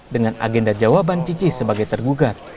dengan agenda jawaban cici sebagai tergugat